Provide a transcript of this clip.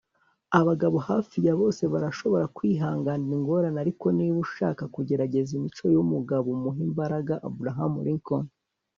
abagabo hafi ya bose barashobora kwihanganira ingorane, ariko niba ushaka kugerageza imico y'umugabo, umuhe imbaraga. - abraham lincoln